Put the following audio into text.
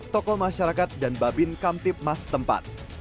toko masyarakat dan babin kamtip mas tempat